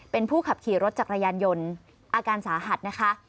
เป็นผู้ขับขี่รถจักรยานยนต์อาการสาหัสนะคะ